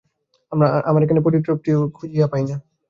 আমরা এখানে পরিতৃপ্তি খুঁজিয়া পাই না।